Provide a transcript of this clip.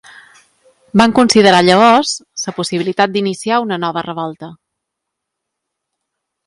Van considerar llavors la possibilitat d'iniciar una nova revolta.